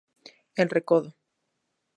El Recodo!!!